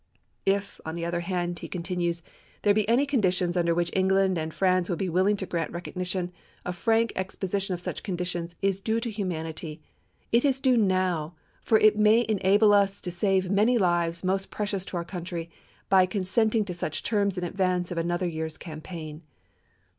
If, on the other hand, he continues, there be any conditions under which England and France will be willing to grant recognition, a frank expo sition of such conditions "is due to humanity. It is due now, for it may enable us to save many lives most precious to our country, by consent ing to such terms in advance of another year's campaign."